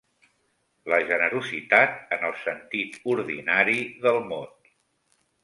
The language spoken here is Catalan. La generositat, en el sentit ordinari del mot